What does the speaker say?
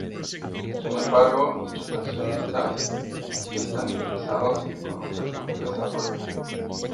Sin embargo, dichos accionistas sí están interesados en conocer su desarrollo.